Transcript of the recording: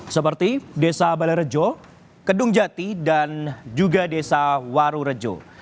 seperti desa balai rejo kedung jati dan juga desa waru rejo